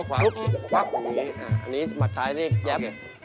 หมดซ้ายนี้แยบ